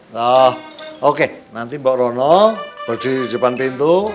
loh oke nanti mbak rono berdiri di depan pintu